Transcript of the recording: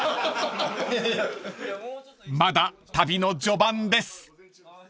［まだ旅の序盤です］